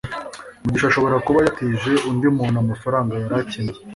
mugisha ashobora kuba yatije undi muntu amafaranga yari akeneye